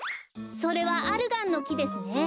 それはアルガンのきですね。